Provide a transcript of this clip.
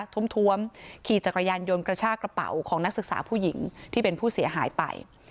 ทุ่มท้วมขี่จักรยานยนต์กระชากระเป๋าของนักศึกษาผู้หญิงที่เป็นผู้เสียหายไป